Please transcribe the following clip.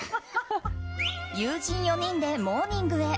友人４人でモーニングへ。